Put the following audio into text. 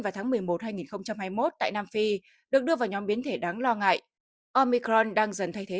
vào tháng một mươi một hai nghìn hai mươi một tại nam phi được đưa vào nhóm biến thể đáng lo ngại omicron đang dần thay thế